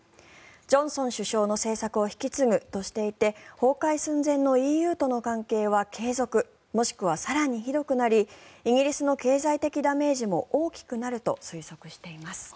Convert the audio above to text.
ジョンソン首相の政策を引き継ぐとしていて崩壊寸前のＥＵとの関係は継続もしくは更にひどくなりイギリスの経済的ダメージも大きくなると推測しています。